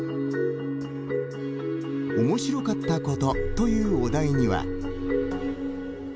「面白かったこと」というお題には。